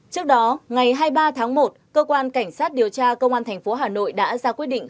trước đó ngày hai mươi ba tháng một cơ quan cảnh sát điều tra công an tp hà nội đã ra quyết định